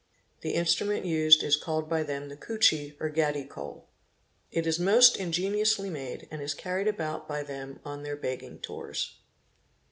The instrument used is called by them the "kuchi or gadi kol''. It is 'most ingeniously made and ii carried about by them on their begging tours.